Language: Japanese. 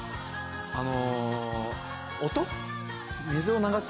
あの。